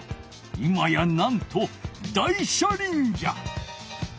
今やなんと大車輪じゃ！